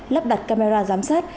lắp đặt camera giám sát